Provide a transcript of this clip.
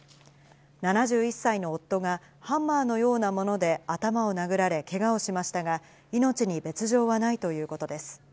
７１歳の夫が、ハンマーのようなもので頭を殴られけがをしましたが、命に別状はないということです。